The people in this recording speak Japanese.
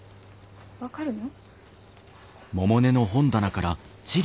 分かるの？